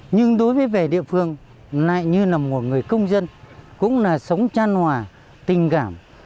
nhưng đối với về địa phương lại như là một người công dân cũng là sống chăn hòa tình cảm